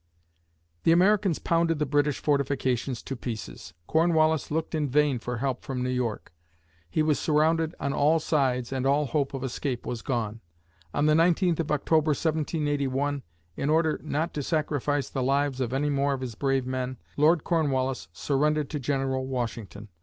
The Americans pounded the British fortifications to pieces. Cornwallis looked in vain for help from New York. He was surrounded on all sides and all hope of escape was gone. On the 19th of October, 1781, in order not to sacrifice the lives of any more of his brave men, Lord Cornwallis surrendered to General Washington.